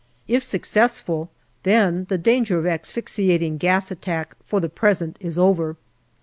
If successful, then the danger of asphyxiating gas attack for the present is over.